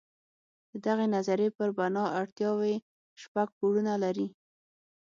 د دغې نظریې پر بنا اړتیاوې شپږ پوړونه لري.